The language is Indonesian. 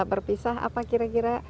berpisah apa kira kira